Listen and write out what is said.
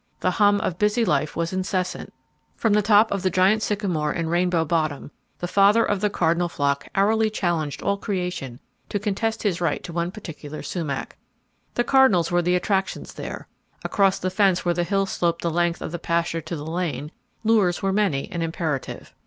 The hum of busy life was incessant. From the top twig of the giant sycamore in Rainbow Bottom, the father of the cardinal flock hourly challenged all creation to contest his right to one particular sumac. The cardinals were the attraction there; across the fence where the hill sloped the length of the pasture to the lane, lures were many and imperative.